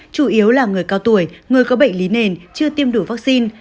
chủ yếu là người cao tuổi người có bệnh lý nền chưa tiêm đủ vaccine